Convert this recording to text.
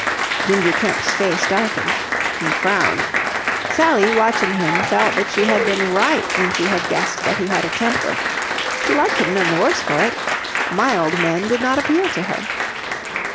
Ginger Kemp's face darkened. He frowned. Sally, watching him, felt that she had been right when she had guessed that he had a temper. She liked him none the worse for it. Mild men did not appeal to her.